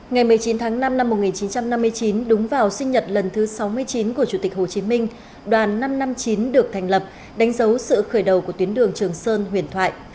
ngày một mươi chín tháng năm năm một nghìn chín trăm năm mươi chín đúng vào sinh nhật lần thứ sáu mươi chín của chủ tịch hồ chí minh đoàn năm trăm năm mươi chín được thành lập đánh dấu sự khởi đầu của tuyến đường trường sơn huyền thoại